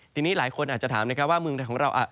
ทีนี้หลายคนอาจจะถามว่าเมืองของเรา